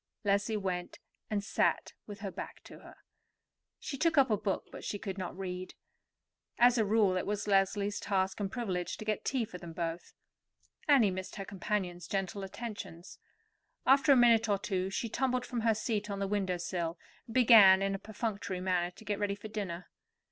Leslie went and sat with her back to her. She took up a book, but she could not read. As a rule, it was Leslie's task and privilege to get tea for them both. Annie missed her companion's gentle attentions. After a minute or two she tumbled down from her seat on the window sill, and began in a perfunctory manner to get ready for dinner.